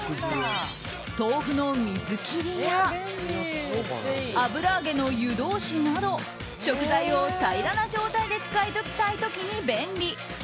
豆腐の水切りや油揚げの湯通しなど食材を平らな状態で使いたい時に便利。